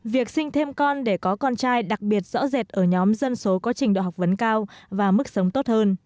việc sinh thêm con để có con trai đặc biệt rõ rệt ở nhóm dân số có trình độ học vấn cao và mức sống tốt hơn